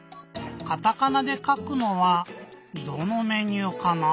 カタカナでかくのはどのメニューかな？